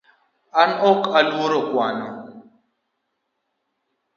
An ok aluoro kwano